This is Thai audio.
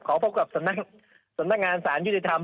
ขอพบกับสำนักงานศาลยุทธธรรม